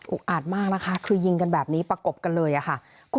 อาจมากนะคะคือยิงกันแบบนี้ประกบกันเลยค่ะ